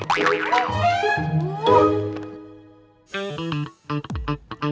gak ada apa apa